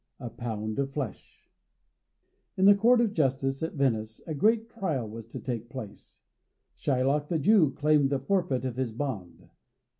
A Pound of Flesh In the Court of Justice at Venice a great trial was to take place. Shylock the Jew claimed the forfeit of his bond.